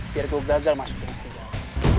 biar gue gagal masuk ke jaket serigala